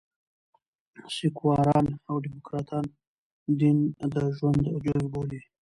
سیکواران او ډيموکراټان دین د ژوند جزء بولي.